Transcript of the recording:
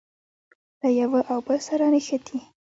له یوه او بل سره نښتي.